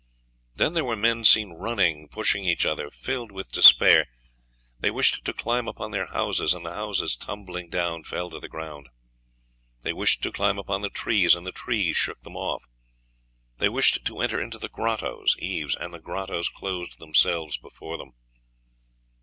Then were men seen running, pushing each other, filled with despair; they wished to climb upon their houses, and the houses, tumbling down, fell to the ground; they wished to climb upon the trees, and the trees shook them off; they wished to enter into the grottoes (caves), and the grottoes closed themselves before them....